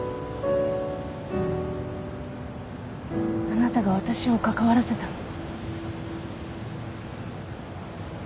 あなたが私を関わらせたの